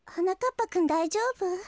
ぱくんだいじょうぶ？